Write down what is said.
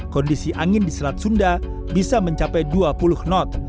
kondisi angin di selat sunda bisa mencapai dua puluh knot